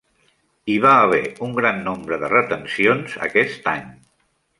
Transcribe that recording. Hi va haver un gran nombre de retencions aquest any.